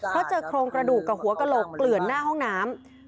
เพราะเจอโครงกระดูกกับหัวกระโหลกเกลื่อนหน้าห้องน้ำ